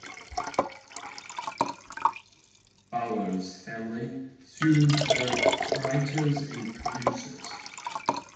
Bowers' family sued the writers and producers.